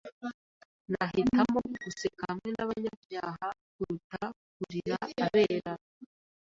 Nahitamo guseka hamwe nabanyabyaha kuruta kurira abera. (darinmex)